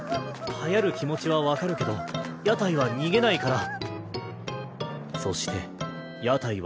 はやる気持ちは分かるけど屋台は逃げないから。